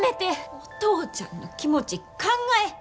お父ちゃんの気持ち考え。